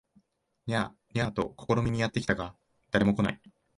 ニャー、ニャーと試みにやって見たが誰も来ない